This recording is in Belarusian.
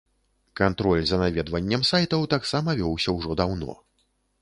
Кантроль за наведваннем сайтаў таксама вёўся ўжо даўно.